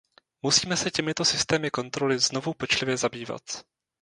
Musíme se těmito systémy kontroly znovu pečlivě zabývat.